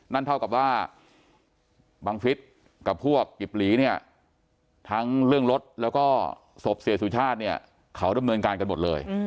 นั่นเท่ากับว่าบังฟิศกับพวกกิบหลีเนี่ยทั้งเรื่องรถแล้วก็ศพเสียสุชาติเนี่ยเขาดำเนินการกันหมดเลย